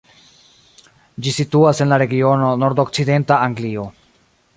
Ĝi situas en la regiono nordokcidenta Anglio.